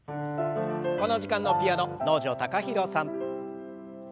この時間のピアノ能條貴大さん。